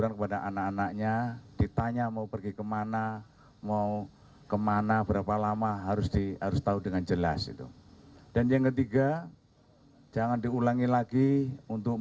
ada yang semelan petugas ada yang pakai batu